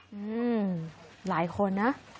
อืมหลายคนนะ